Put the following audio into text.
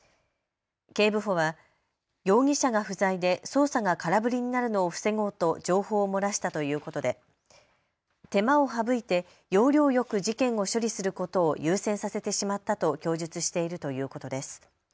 警部補は容疑者が不在で捜査が空振りになるのを防ごうと情報を漏らしたということで手間を省いて要領よく事件を処理することを優先させてしまったと供述しているということです。